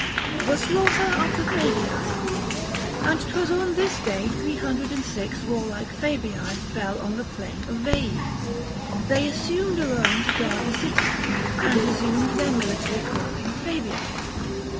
THE SLAUGHTEK OF THE FABII. And 'twas on this day Three hundred and six warlike Fabii Fell on the plain of Veii. They assumed 200 Alone to guard the city, and resumed Their military calling Fabian.